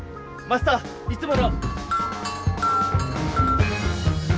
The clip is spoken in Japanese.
マスターいつもの！